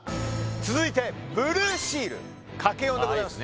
続いてブルーシール×４でございます